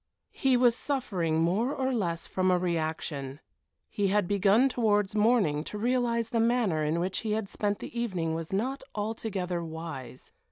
He was suffering more or less from a reaction. He had begun towards morning to realize the manner in which he had spent the evening was not altogether wise.